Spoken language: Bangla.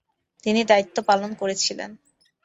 তিনি দায়িত্ব পালন করেছিলেন।